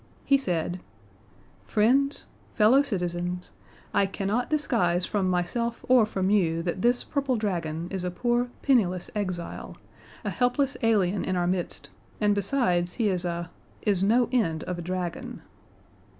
He said: "Friends fellow citizens I cannot disguise from myself or from you that this purple dragon is a poor penniless exile, a helpless alien in our midst, and, besides, he is a is no end of a dragon."